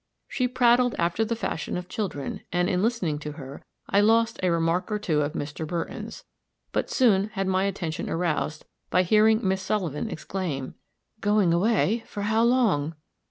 She prattled after the fashion of children, and in listening to her, I lost a remark or two of Mr. Barton's; but soon had my attention aroused by hearing Miss Sullivan exclaim, "Going away! For how long?"